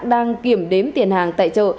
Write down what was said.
đang kiểm đếm tiền hàng tại chợ